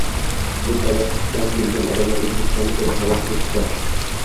Chet davlatdan kelgan odamlar O‘zbekistonni ko‘rib havas qilishsa!